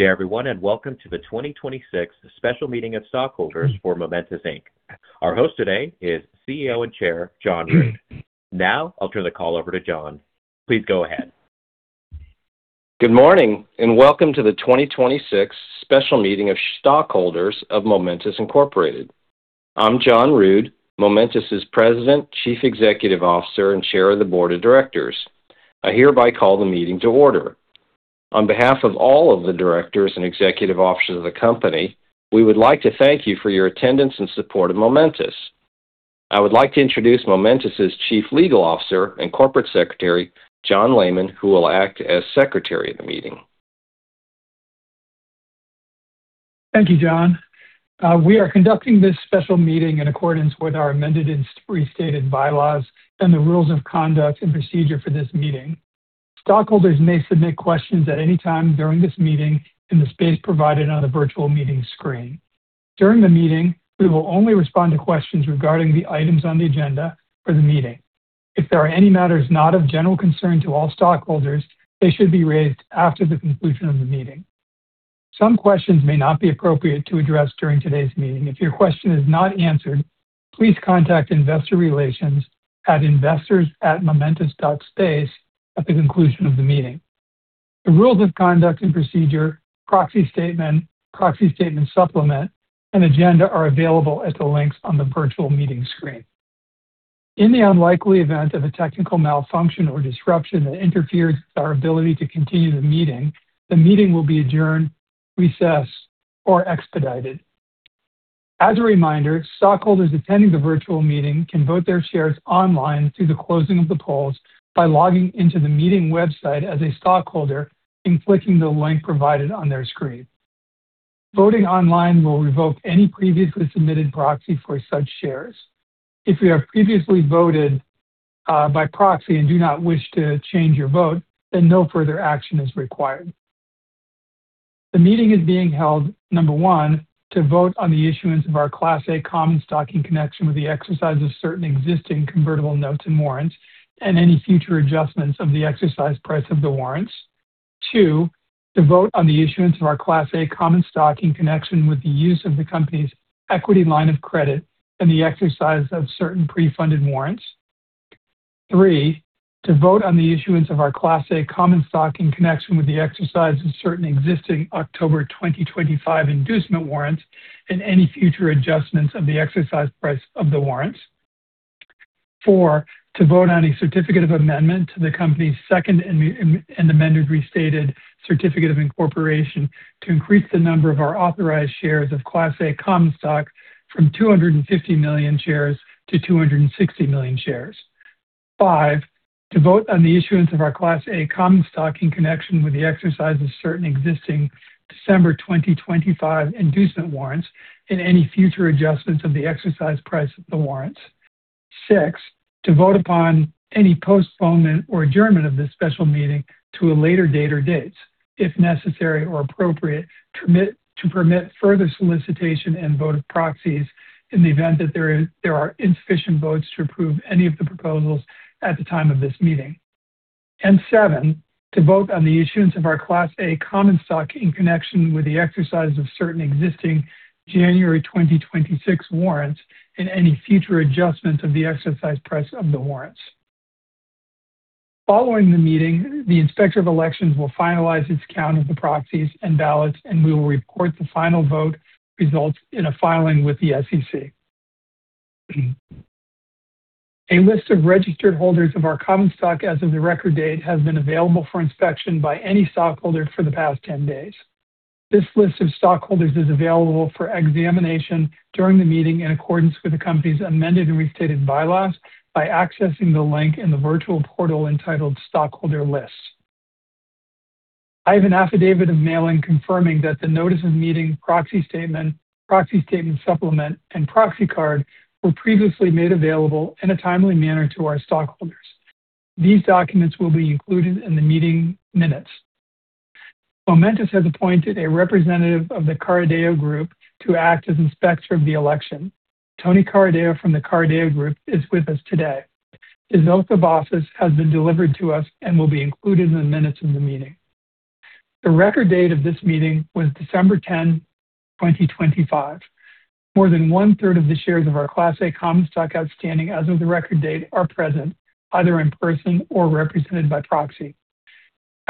Good day everyone, and welcome to the 2026 Special Meeting of Stockholders for Momentus Inc. Our host today is CEO and Chair Jon Rood. Now I'll turn the call over to Jon. Please go ahead. Good morning and welcome to the 2026 Special Meeting of Stockholders of Momentus Inc. I'm Jon Rood, Momentus's President, Chief Executive Officer, and Chair of the Board of Directors. I hereby call the meeting to order. On behalf of all of the directors and executive officers of the company, we would like to thank you for your attendance and support of Momentus. I would like to introduce Momentus's Chief Legal Officer and Corporate Secretary, Jon Layman, who will act as Secretary of the meeting. Thank you, John. We are conducting this special meeting in accordance with our amended and restated bylaws and the rules of conduct and procedure for this meeting. Stockholders may submit questions at any Four during this meeting in the space provided on the virtual meeting screen. During the meeting, we will only respond to questions regarding the items on the agenda for the meeting. If there are any matters not of general concern to all stockholders, they should be raised after the conclusion of the meeting. Some questions may not be appropriate to address during today's meeting. If your question is not answered, please contact Investor Relations at investors@momentus.space at the conclusion of the meeting. The rules of conduct and procedure, proxy statement, proxy statement supplement, and agenda are available at the links on the virtual meeting screen. In the unlikely event of a technical malfunction or disruption that interferes with our ability to continue the meeting, the meeting will be adjourned, recessed, or expedited. As a reminder, stockholders attending the virtual meeting can vote their shares online through the closing of the polls by logging into the meeting website as a stockholder and clicking the link provided on their screen. Voting online will revoke any previously submitted proxy for such shares. If you have previously voted by proxy and do not wish to change your vote, then no further action is required. The meeting is being held, number one, to vote on the issuance of our Class A Common Stock in connection with the exercise of certain existing convertible notes and warrants, and any future adjustments of the exercise price of the warrants. two, to vote on the issuance of our Class A common stock in connection with the use of the company's Equity Line of Credit and the exercise of certain Pre-Funded Warrants. three, to vote on the issuance of our Class A common stock in connection with the exercise of certain existing October 2025 Inducement Warrants and any future adjustments of the exercise price of the warrants. time, to vote on a Certificate of Amendment to the company's Second Amended and Restated Certificate of Incorporation to increase the number of our authorized shares of Class A common stock from 250 million shares to 260 million shares. five, to vote on the issuance of our Class A common stock in connection with the exercise of certain existing December 2025 Inducement Warrants and any future adjustments of the exercise price of the warrants. 6, to vote upon any postponement or adjournment of this special meeting to a later date or dates, if necessary or appropriate, to permit further solicitation and vote of proxies in the event that there are insufficient votes to approve any of the proposals at the time of this meeting. And seven, to vote on the issuance of our Class A common stock in connection with the exercise of certain existing January 2026 warrants and any future adjustments of the exercise price of the warrants. Following the meeting, the Inspector of Elections will finalize its count of the proxies and ballots, and we will report the final vote results in a filing with the SEC. A list of registered holders of our common stock as of the record date has been available for inspection by any stockholder for the past 10 days. This list of stockholders is available for examination during the meeting in accordance with the company's amended and restated bylaws by accessing the link in the virtual portal entitled Stockholder Lists. I have an affidavit of mailing confirming that the notice of meeting, proxy statement, proxy statement supplement, and proxy card were previously made available in a timely manner to our stockholders. These documents will be included in the meeting minutes. Momentus has appointed a representative of The Carideo Group to act as Inspector of Elections. Tony Carideo from The Carideo Group is with us today. His oath of office has been delivered to us and will be included in the minutes of the meeting. The record date of this meeting was December 10, 2025. More than one-third of the shares of our Class A Common Stock outstanding as of the Record Date are present, either in person or represented by proxy.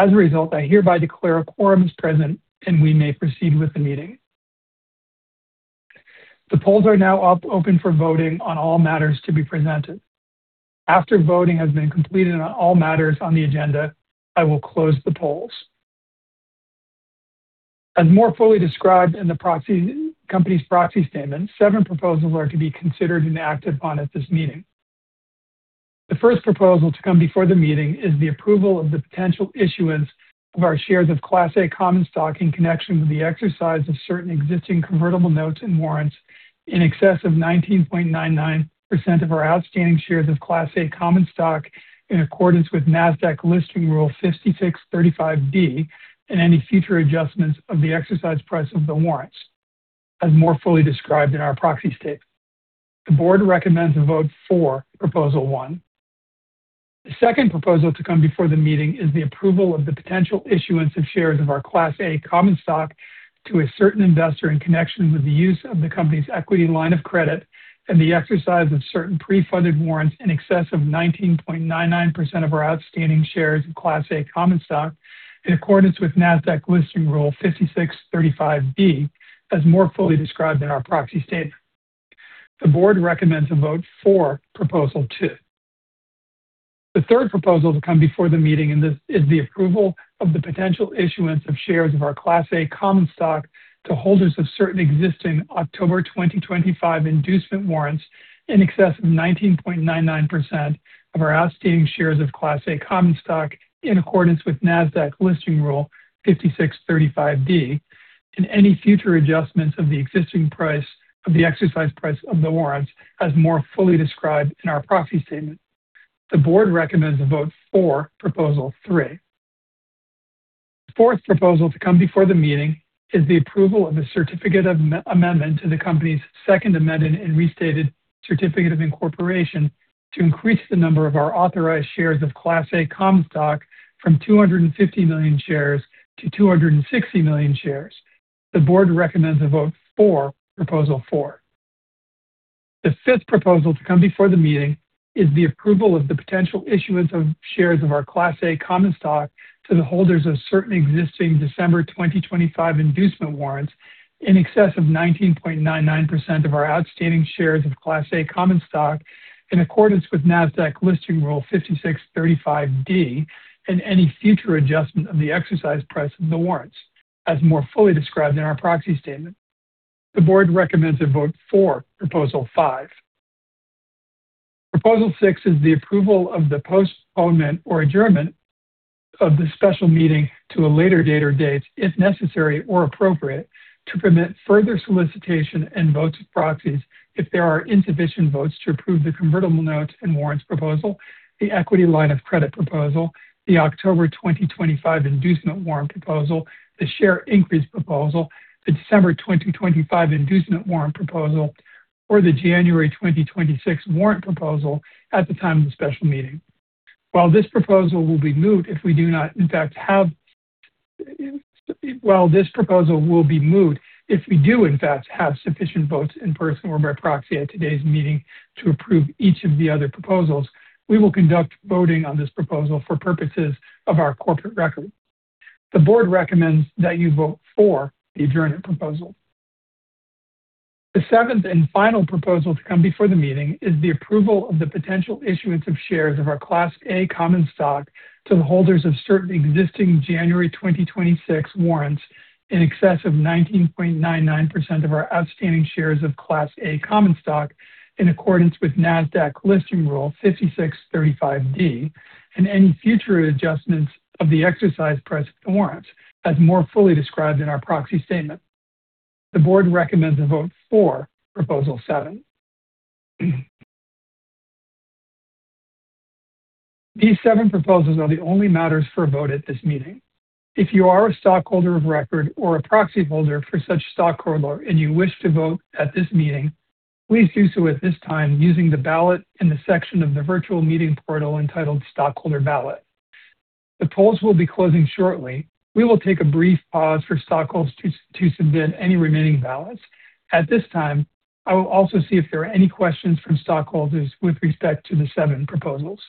As a result, I hereby declare a quorum as present, and we may proceed with the meeting. The polls are now open for voting on all matters to be presented. After voting has been completed on all matters on the agenda, I will close the polls. As more fully described in the company's Proxy Statement, seven proposals are to be considered and acted upon at this meeting. The first proposal to come before the meeting is the approval of the potential issuance of our shares of Class A Common Stock in connection with the exercise of certain existing Convertible Notes and Warrants in excess of 19.99% of our outstanding shares of Class A Common Stock in accordance with Nasdaq Listing Rule 5635(d) and any future adjustments of the exercise price of the Warrants, as more fully described in our Proxy Statement. The board recommends a vote for proposal one. The second proposal to come before the meeting is the approval of the potential issuance of shares of our Class A Common Stock to a certain investor in connection with the use of the company's Equity Line of Credit and the exercise of certain Pre-Funded Warrants in excess of 19.99% of our outstanding shares of Class A Common Stock in accordance with Nasdaq Listing Rule 5635(d), as more fully described in our Proxy Statement. The board recommends a vote for proposal two. The third proposal to come before the meeting is the approval of the potential issuance of shares of our Class A common stock to holders of certain existing October 2025 inducement warrants in excess of 19.99% of our outstanding shares of Class A common stock in accordance with Nasdaq Listing Rule 5635(d) and any future adjustments of the existing price of the exercise price of the warrants, as more fully described in our proxy statement. The board recommends a vote for proposal three. The fourth proposal to come before the meeting is the approval of a certificate of amendment to the company's second amended and restated certificate of incorporation to increase the number of our authorized shares of Class A common stock from 250 million shares to 260 million shares. The board recommends a vote for proposal four. The fifth proposal to come before the meeting is the approval of the potential issuance of shares of our Class A Common Stock to the holders of certain existing December 2025 Inducement Warrants in excess of 19.99% of our outstanding shares of Class A Common Stock in accordance with Nasdaq Listing Rule 5635(d) and any future adjustment of the exercise price of the warrants, as more fully described in our Proxy Statement. The Board recommends a vote for proposal five. Proposal six is the approval of the postponement or adjournment of the special meeting to a later date or dates, if necessary or appropriate, to permit further solicitation and votes of proxies if there are insufficient votes to approve the convertible notes and warrants proposal, the equity line of credit proposal, the October 2025 inducement warrant proposal, the share increase proposal, the December 2025 inducement warrant proposal, or the January 2026 warrant proposal at the time of the special meeting. While this proposal will be moved if we do not, in fact, have sufficient votes in person or by proxy at today's meeting to approve each of the other proposals, we will conduct voting on this proposal for purposes of our corporate record. The board recommends that you vote for the adjournment proposal. The seventh and final proposal to come before the meeting is the approval of the potential issuance of shares of our Class A common stock to the holders of certain existing January 2026 warrants in excess of 19.99% of our outstanding shares of Class A common stock in accordance with Nasdaq Listing Rule 5635(d) and any future adjustments of the exercise price of the warrants, as more fully described in our proxy statement. The board recommends a vote for proposal seven. These seven proposals are the only matters for a vote at this meeting. If you are a stockholder of record or a proxy holder for such stockholder and you wish to vote at this meeting, please do so at this time using the ballot in the section of the virtual meeting portal entitled Stockholder Ballot. The polls will be closing shortly. We will take a brief pause for stockholders to submit any remaining ballots. At this time, I will also see if there are any questions from stockholders with respect to the seven proposals.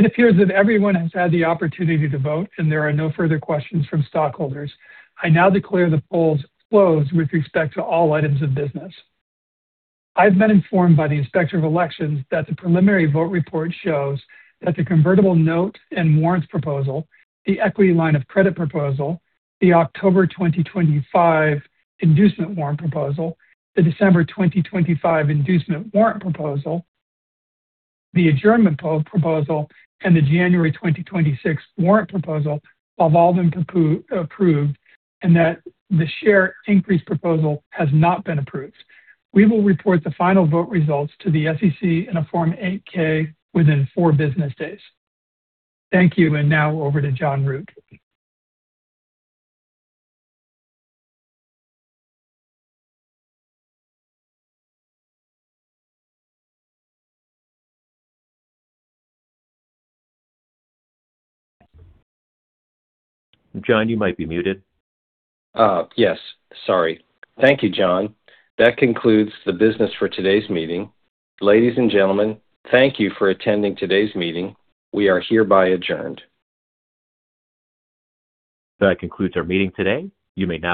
It appears that everyone has had the opportunity to vote, and there are no further questions from stockholders. I now declare the polls closed with respect to all items of business. I have been informed by the Inspector of Elections that the preliminary vote report shows that the convertible note and warrants proposal, the equity line of credit proposal, the October 2025 inducement warrant proposal, the December 2025 inducement warrant proposal, the adjournment proposal, and the January 2026 warrant proposal have all been approved, and that the share increase proposal has not been approved. We will report the final vote results to the SEC in a Form 8-K within four business days. Thank you, and now over to John Rood. John, you might be muted. Yes, sorry. Thank you, John. That concludes the business for today's meeting. Ladies and gentlemen, thank you for attending today's meeting. We are hereby adjourned. That concludes our meeting today. You may now.